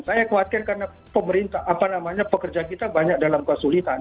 saya khawatir karena pekerja kita banyak dalam kesulitan